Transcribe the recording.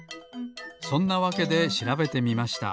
そんなわけでしらべてみました。